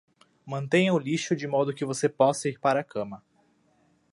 Mantenha o lixo de modo que você possa ir para a cama.